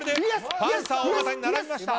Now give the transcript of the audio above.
パンサー尾形に並びました。